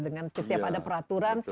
dengan setiap ada peraturan